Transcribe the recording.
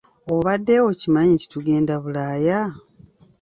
Omadde okimanyi nti tugenda Bulaaya?